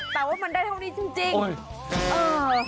แต่ว่ามันได้เท่านี้จริงเออ